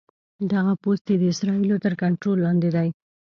دغه پوستې د اسرائیلو تر کنټرول لاندې دي.